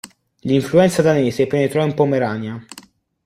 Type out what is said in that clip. L'influenza danese penetrò in Pomerania.